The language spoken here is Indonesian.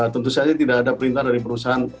tentu saja tidak ada perintah dari perusahaan